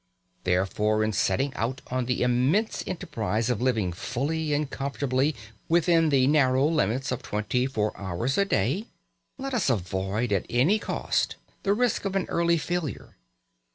Therefore, in setting out on the immense enterprise of living fully and comfortably within the narrow limits of twenty four hours a day, let us avoid at any cost the risk of an early failure.